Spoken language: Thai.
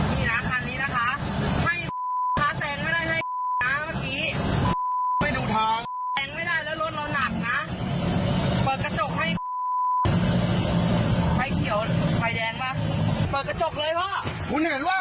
นี่นะคันนี้นะคะให้ท้าแซงไม่ได้ให้น้าเมื่อกี้